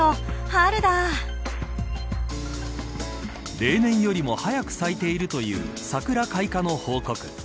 例年よりも早く咲いているという桜開花の報告。